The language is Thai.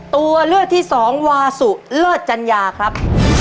ตัวเลือกที่สองวาสุเลิศจัญญาครับ